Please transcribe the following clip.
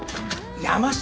山下。